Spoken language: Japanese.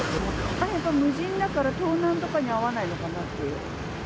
無人だから盗難とかに遭わないのかなって。